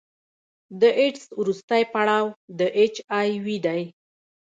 د ایډز وروستی پړاو د اچ آی وي دی.